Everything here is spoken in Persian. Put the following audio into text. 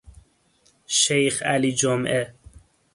شیخ علی جمعه